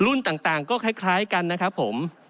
ต่างก็คล้ายกันนะครับผม